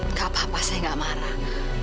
nggak apa apa saya gak marah